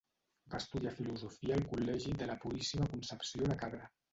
Va estudiar Filosofia al Col·legi de la Puríssima Concepció de Cabra.